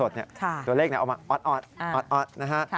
ตัวเลขนี้ออกมาอดนะฮะ